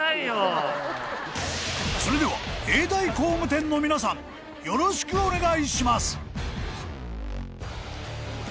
［それでは栄代工務店の皆さんよろしくお願いします！］